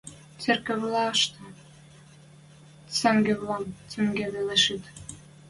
Церкӹвлӓштӹ цангвлӓм цунге веле шит.